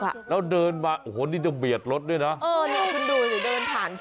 แล้วเดินมาโอ้โฮนี่จะเบียดรถด้วยนะ